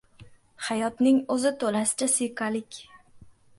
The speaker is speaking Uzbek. Hayotning o‘zi to‘lasicha siyqalik.